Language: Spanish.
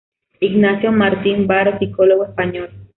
Ignacio Martín-Baró, psicólogo español.